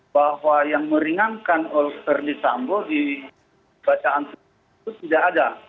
bahwa yang meringankan oleh ferdisambo di bacaan itu tidak ada